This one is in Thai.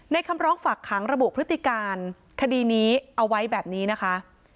คำร้องฝากขังระบุพฤติการคดีนี้เอาไว้แบบนี้นะคะ